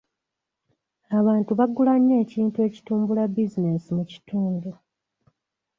Abantu bagula nnyo ekintu ekitumbula bizinensi mu kitundu.